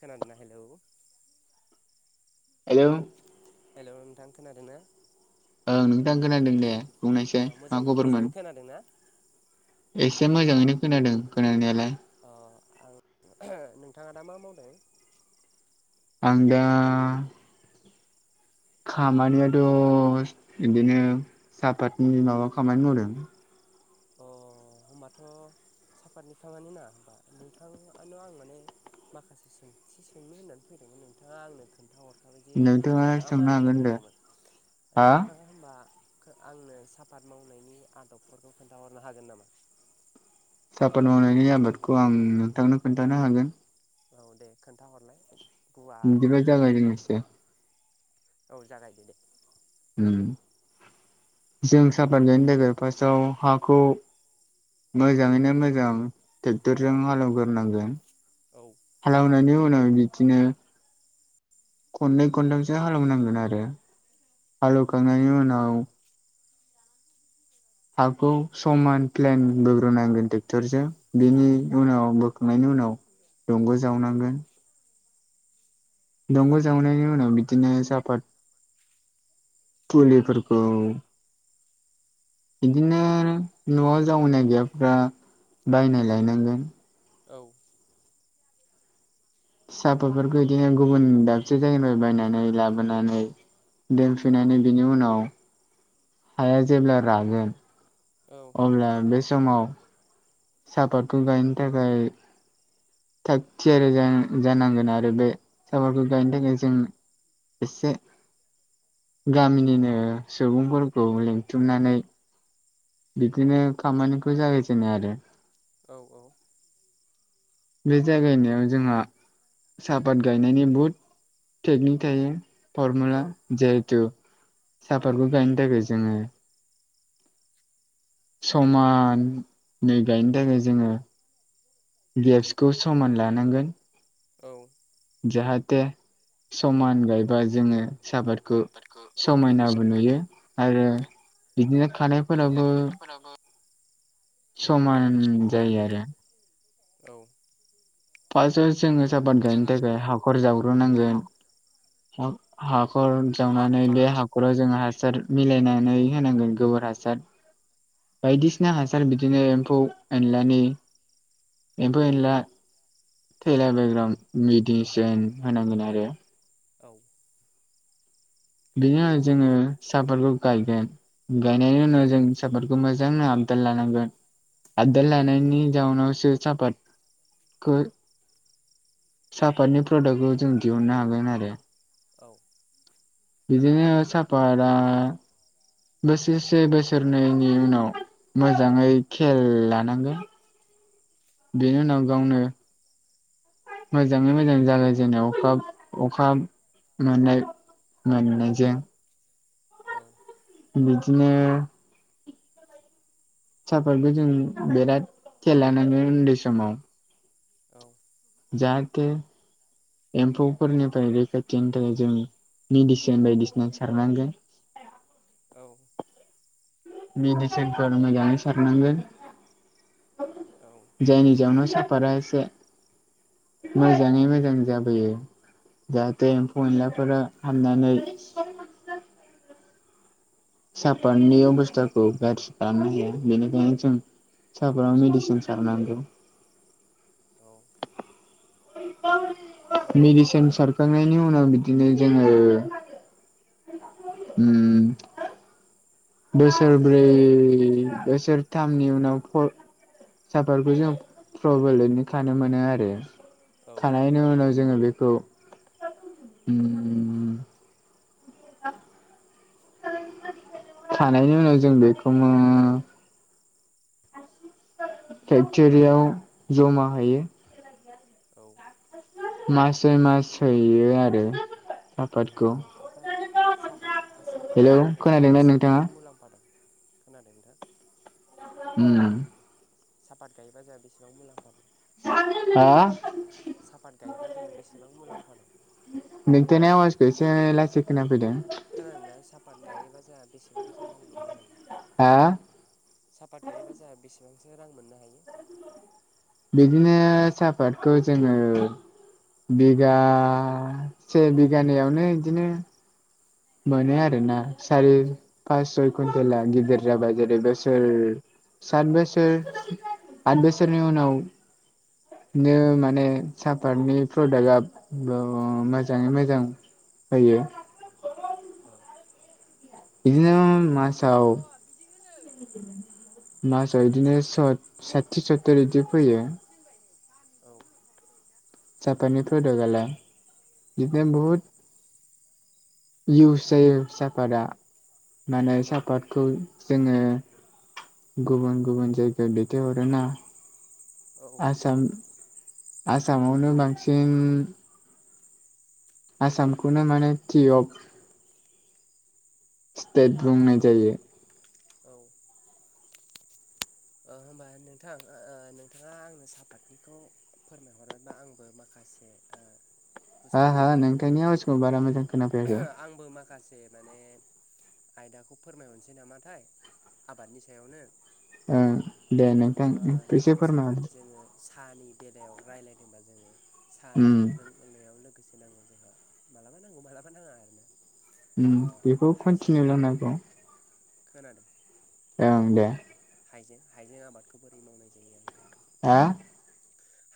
खादोंना hello? Hello. Hello नोंथां खोनादों ना? औओं नोंथां खोनादों दे बुंनायसाइ अ मा मोजां मोजाङै खबरमोन। खोनादोंना एसे मोजाङैनो खोनादों खोनानायालाय। अ आं नोंथाङा दा मा मावदों? आं दा खामानियाथ' बिदिनो सापातनि माबा खामानि मावदों। अ होनबाथ' सापातनि खामानि ना होमबा? नोंथाङानो आं माने माखासे सोंथि सोंनो होननानै फैदोंमोन नोंथाङा आंनो खोन्थाहर। बेबायदि नोंथाङा सोंनो मा हाबा हागोन दे मावदोंमोन? हा नोंथाङा होनबा आंनो सापााद मावनायनि आदबफोरखौ खोन्थााहरनो हागोन नामा? सफाद मावनायनि आबादखौ आं नोंथांनो खोन्थानो हागोन। औ दे खोन्थाहरलाय। दिबाय गुवारैनो जागाजेननांसिगोन। औ जागायदो दे। उम जों साफा जायनो लोगोफार्स्टआव हाखौ मोजाङैनो मोजां ट्रेकथरजों हालेवग्रोनांगोन। औ हलेवननानि उनानिव बिदिनो खननै खनथामसो हालेवनांगोन आरो। हालेवखांनायनि उनाव हाखौ समान प्लेन बोग्रोनांगोन ट्रेक्टरजों बेनि उनाव बोखांनायनि नि उनाव दंग' जावनांगोन। दंग' जावनायनि उनाव बिदिनो साफात फुलिफोरखौ बिदिनो न'आव जावैनाय गैयाब्ला बायना लायनांगोन। औ। साफात फोरखौ बिदिनो गुबुन दाबसे जायगानिफ्राय बायनानै लाबोनानै दोनफैनानै बिनि उनाव हाया जेब्ला रागोन औ अब्ला बे समाव सपातखौ गायनो थाखाय थाग थियारि जानांगोन आरो बे साफाखौ गायनो थाखाय जों एसे गामिनिनो सुबुंफोरखौ लिंथुमनानै बिदिनो खामानिखौ जागाय जेनो आरो औ औ बे जागायनायाव जोंहा सापात गायनायनि बहुत टेकनिक थायो। औ फरमुला जिहेथु सापातखौ गायनो थाखाय जों समान गायनो थाखाय जोङो गेब्सखौ समान लानांगोन औ जाहाथे समान गायबा जोङो सापादखौ आबादखौ समायनाबो नुयो आरो बिदिनो बिदिनो खानाय फोरावो फोरावबो समान जायो आरो। औ फासआव जोङो साफाद गायनो जोङो थाखाय हाखर जावग्रोनांगोन। हाख-हाखर जावनानै हाखर बे हाखराव जोंहा सार मिलायनानै होनांगोन गोबोर हासार। बायदिसिना हासार बिदिनो एम्फौ एनलानि एम्फौ एनला थैला बेकग्राउन्ड मिडिसिन होनांगोन आरो। औ बेनि उनाव ओमफ्राय जोङो नों साफाटखौ गायगोन। गायनायनि औ उनाव जों साफादखौ मोजां आबदाल लानांगोन। आबदाल औ लानायनि जाउनावसो साफाद खौ सापाटनि प्रडाकखौ जों दिहुननो हागोन आरो। औ बिदिनो साफाद आ बोसोरसे बोसोरनैनि उनाव मोजाङै खेल लानांगोन। बेनि उनाव गावनो मोजाङै मोजां जागोन जेने अखा अखा मोननाय मोननायजों औ बिदिनो साफादखौ जों बिराद खेल लानाङो उन्दै समाव। औ जाहाथे एम्फौफोरनिफ्राय रैखाथिनि थाखाय जों मेडिसिन बायदिसिना सारनांगो। औ मेडिसिनफोर मोजाङै सारनांगोन। औ जायनि जाउनाव सापारा एसे मोजाङै मोजां जाबोयो। जाहाथे एम्फौ एनलाफोरा हामनानै औ सापारनि अब'स्थाखौ गाज्रि खालामनो हाया बेनिखायनो जों सापादाव मेडिसिन सारनांगौ। औ ओमफ्राय मिडिसिन नोंथां सारखांनायनि उनाव बिदि दिनो जोङो उम बोसोरब्रै बोसोरथामनि उनाव फर साफारखौ जों प्रबेलैनो खानो मोनो आरो। औ थानायनि उनाव जोङो बेखौ [inaudible] उम [inaudible] खानायनि उनाव जों बेखौ ओ फेक्थोरियाव जमा हैयो। औ मासय मास हैयो आरो। अ सापातखौ अ ओमफाय साहफाट ओ सापाट हेलौ गायोब्ला जोंहा खोनादोंना नोंथाङा? बेसेबांसो मुलाम्फा दं? खोनादो नोंथां? उम सापाट गायोबा जोंहा बिसिबां मुलाम्फा हा? सापाट गायोबा जोंहा बेसेबां मुलाम्फा दं? नोंथांनि आवाजखौ एसे लासै खोना फैदों। जाहा बेसेबांसो रां मोननो हायो हा सापाट गायोबा जाहा बेसे ओंसो रां मोननो हायो? बिदिनो साहपाटखौ जोङो - बिगा से बिघानैयावनो इदिनो मोनो आरोोना सार पास सय कुन्टेला गिदिर जाबाय जेरै बोसोर सात बोसोर आत बोसोरनि उनाव बिनो माने सापातनि प्रडाक्टआ मोजाङै मोजां। [unintelligible] औ बिदिनो मसा मासाव बिदिनो साथि सत्तुर बिदि फैयो। औ जापानिनि प्रडाल जदिनो बहुद इउस सफारा माने औ साहापातखौ जोङो गुबुन गुबुन जायगायाव बे हर ना औ आसाम आसामावनो बांसिन आसामसाम खनो माने थयब स्टेट [unintelligible] जायोयो औ। होमबा नोंथां नोंथाङा आंनो सापातथिखौ फोरमायहरबाय बा आंबो माखासे मसे हो हो नोंथांनि आवासखौ बारा मोजां खोनाफैयाखै आंबो माखासे माने आयदाखौ फोरमायहरनोसै नामाथाय आबादनि सायावनो ओ दे नोंथां ओ एसे जिहेथु फोरमाय सापात हरदो जोङो साहानि बेलायाव रायलायदोंबा जोङो उम साहाजों से नांगौ जोंहा मालाबा नांगौ मालाबा नाङा आरोना ओम ओ बेखौ हाइजें कन्टिनिउ लानांगौ खोनादों ओं दे हाइजें हाइजें आबादखौ बोरै मावनाय जायो आं ख हो?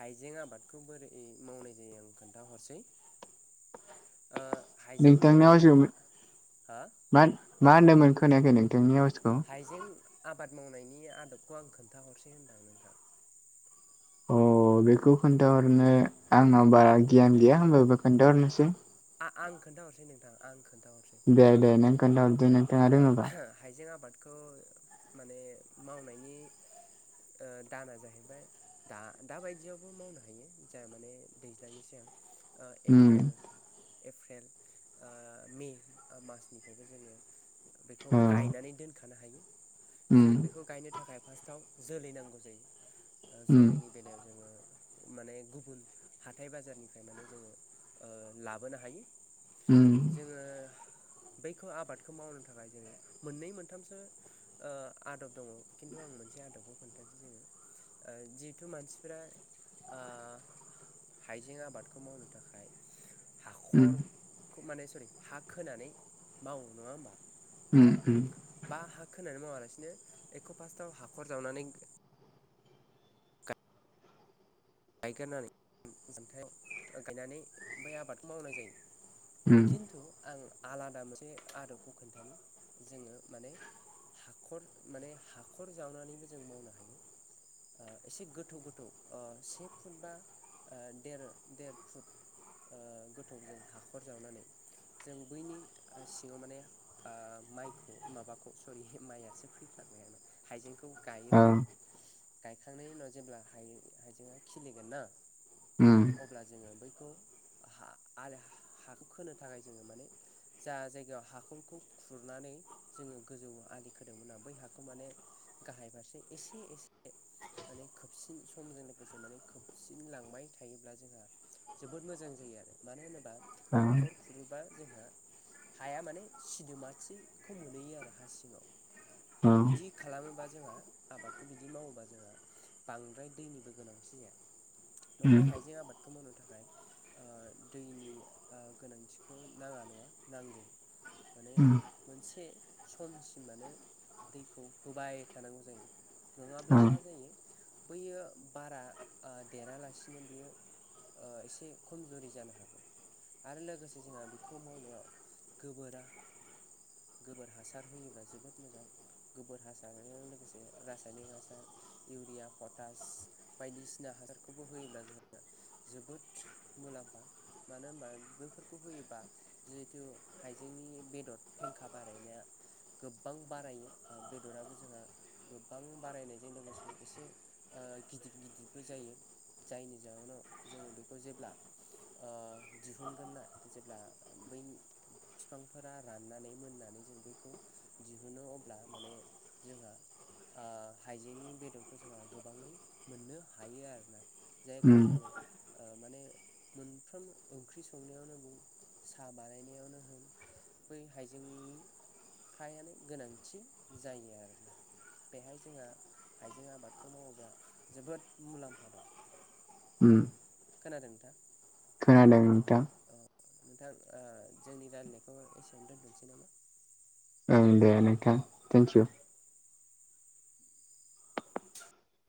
हाइजें आबादखौ बोरै मावनाय जायो आं खोन्थाहरसै ओ हाइजें मावनायनि नोंथांनिवासो म हा मा मा होनदोंमोन खोनायाखै नोंथांनिवासो हाइजें आबाद मावनायनि आदबखौ आं खोन्थाहरसै होनदां नोंथां अ बेखौ खोन्थाहरनो आंनाव बारा गियान गैया होनबाबो खोन्थाहरनोसै आ आ आं खोनथाहरसै नोंथां आं खोन्थाहरसै दे दे नों खोन्थाहरदो नोंथाङा रोङोबा खौ माने मावनायनि ओ दाना जाहैबाय दा दाबायदियावबो मावनो हायो जा माने दैज्लांनि सिगां ओ उम एप्रेल एप्रेल ओ मे ओ मार्चनिफ्रायबो जोङो बेखौ औ गायनानै दोनखानो हायो उम जों बेखौ गायनो थाखाय फार्स्टआव जोलै नांगौ जायो ओ उम जोलैनि बेलायाव जोङो माने गुबुन हाथाय बाजारनिफ्राय माने जोङो ओ लाबोनो हायो। उम जोङो बैखौ आबादखौ मावनो थाखाय जोङो मोननै मोनथामसो ओ आदब दङ खिन्थु आं मोनसे आदबखौ खोन्थासै जोङो ओ जिहेथु मानसिफ्रा ओ हाइजें आबादखौ मावनो थाखाय उम हाखरखौ माने सरि हा खोनानै मावो नङा होमबा? उम उम। दा हा खोनानै मावालासिनो एखौ‌ फार्स्टआव हाखर जावनानै गायगोरनानै [unintelligible] जुमथायाव गायनानै बै आबादखौ मावनाय जायो उम खिन्थु आं आलादा मोनसे आदबखौ खोन्थानि जोङो माने हाखर माने हाखर जावनानैबो जों मावनो हायो ओ एसे गोथौ गोथौ ओ से फुट बा ओ देर देर फुट ओ गोथौजों हाखर जावनानै जों बैनि ओ सिङाव माने ओ माइखौ माबाखौ सरि मायासो फैफ्लां हाइजेंखौ औ गायोब्ला गायखांनायनि उनाव जेब्ला हाइ हाइजेंआ खिलिगोन ना उम अब्ला जोङो बैखौ हा आरो हाखौ खोनो थाखाय जोङो माने जा जायगायाव हाखरखौ खुरनानै जोङो गोजौ आलि खोदोंमोनना बै हाखौ माने गाहाय फारसे एसे एसे माने खोबसिन समजों लोगोसे माने खोबसिन लांबाय थायोब्ला जोंहा जोबोद मोजां जायो आरो मानो होनोबा औ हाखर खुरोबा जोंहा हाया माने सिदोमाथिखौ मोनहैयो आरो हा सिङाव औ बिदि खालामोबा जोंहा आबादखौ बिदि मावोबा जोंहा बांद्राय दैनिबो गोनांथि जाया उम मानोना हाइजें आबादखौ मावनो थाखाय ओ दैनि ओ गोनांथिखौ नाङा नङा नांगौ माने उम मोनसे समसिम माने दैखौ होबाय थानांगौ जायो नङाब्ला औ मा जायो बैयो बारा ओ देरालासिनो बियो ओ एसे खमजुरि जानो हागौ आरो लोगोसे जोंहा बेखौ मावनायाव गोबोरा गोबोर हासार होयोब्ला जोबोद मोजां गोबोर हासारजों लोगोसे रासायनिक हासार इउरिया पटास बायदिसिना हासारखौबो होयोब्ला जोंहा जोबोद मुलाम्फा मानो होनबा बेफोरखौ होयोबा जिहेथु हाइजें नि बेदर फेंखा बारायनाया गोबां बारायो ओ बेदराबो जोंहा गोबां बारायनायजों लोगोसे एसे ओ गि गिदिर गिदिरबो जायो जायनि जाहोनाव जोङो बेखौ जेब्ला दिहुनगोन ना जेब्ला बै बिफांफोरा राननानै मोननानै जों बैखौ दिहुनो अब्ला माने जोंहा हाइजेंनि बेदरखौ जोंहा गोबाङै मोननो हायो आरोना जायखौ उम जोङो माने मोनफ्रोम ओंख्रि संनायावनो बुं साहा बानायनायावनो होन बै हाइजेंनि फायानो गोनांथि जायो आरोना बेहाय जोंहा हाइजें आबादखौ मावोब्ला जोबोद मुलाम्फा दं उम खोनादों नोंथां खोनादों नोंथां औ नोंथां जोंनि रायजलनायखौ एसेबनो दोनथ'सै नामा दे नोंथां थेंक इउ